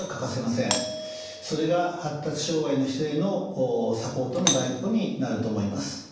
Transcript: それが発達障害の人へのサポートの第一歩になると思います。